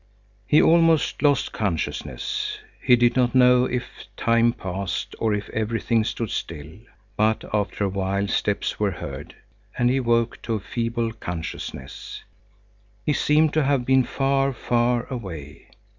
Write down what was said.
He almost lost consciousness. He did not know if time passed or if everything stood still. But after a while steps were heard, and he woke to a feeble consciousness. He seemed to have been far, far away.